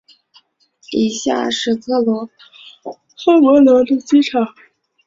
以下是科摩罗的机场。